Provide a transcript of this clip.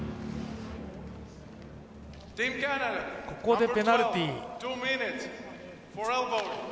ここで、ペナルティー。